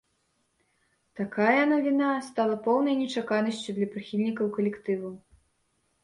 Такая навіна стала поўнай нечаканасцю для прыхільнікаў калектыву.